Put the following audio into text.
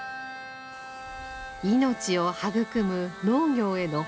命を育む農業への誇り。